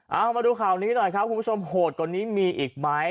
เอามาดูข่าวนี้หน่อยครับคุณผู้ชมโหดกว่านี้มีอีกไหม